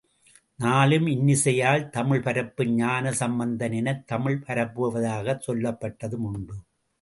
நாளும் இன்னிசையால் தமிழ் பரப்பும் ஞான சம்பந்தன் எனத் தமிழ் பரப்புவதாகச் சொல்லப்பட்டதும் உண்டு.